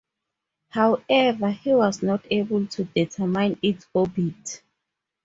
However, he was not able to determine its orbit.